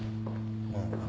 うん。